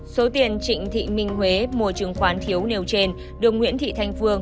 số tiền trịnh thị minh huế mua chứng khoán thiếu nêu trên được nguyễn thị thanh phương